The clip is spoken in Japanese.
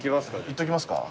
行っときますか。